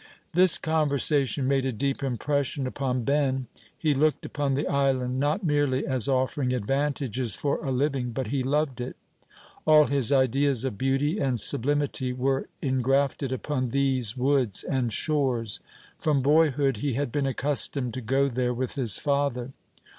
This conversation made a deep impression upon Ben; he looked upon the island not merely as offering advantages for a living, but he loved it. All his ideas of beauty and sublimity were ingrafted upon these woods and shores; from boyhood he had been accustomed to go there with his father.